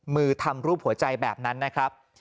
มือทำรูปหัวใจแบบนั้นนะครับ